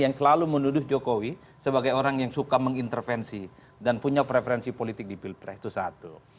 yang selalu menuduh jokowi sebagai orang yang suka mengintervensi dan punya preferensi politik di pilpres itu satu